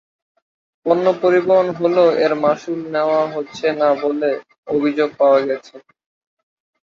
পন্য পরিবহন হলেও এর মাশুল নেওয়া হচ্ছে না বলে অভিযোগ পাওয়া গেছে।